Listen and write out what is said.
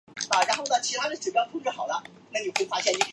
路易十二力图成为一位人民的好国王。